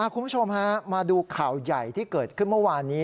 คุณผู้ชมฮะมาดูข่าวใหญ่ที่เกิดขึ้นเมื่อวานนี้